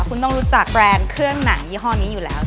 คุณต้องรู้จักแบรนด์เครื่องหนังยี่ห้อนี้อยู่แล้ว